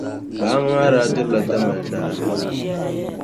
Baaŋa ma daa dirila Tamali daa.